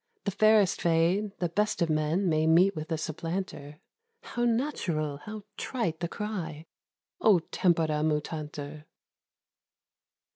The fairest fade; the best of men May meet with a supplanter;— How natural, how trite the cry, "O tempora mutantur!"